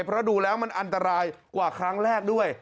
เพราะดูแล้วมันอันตรายกว่าครั้งแรกด้วย